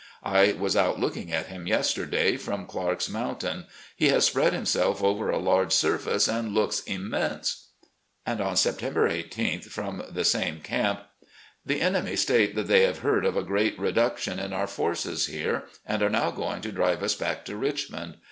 I was out looking at him yesterday, from Clarke's Mountain. He has spread himself over a large surface and looks immense. .. And on September i8th, from the same camp: "... The enemy state that they have heard of a great reduction in our forces here, and are now going to drive us back to Richmond.